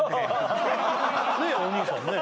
ねえお兄さんねえ？